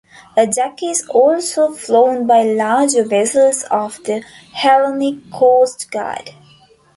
A jack is also flown by larger vessels of the Hellenic Coast Guard.